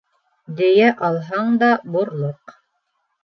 Дөйә алһаң да бурлыҡ.